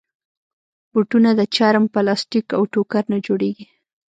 بوټونه د چرم، پلاسټیک، او ټوکر نه جوړېږي.